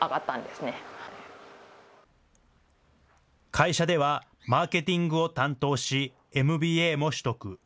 会社ではマーケティングを担当し、ＭＢＡも取得。